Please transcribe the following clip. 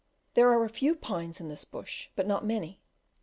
There are a few pines in this bush, but not many.